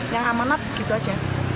yang amanat begitu aja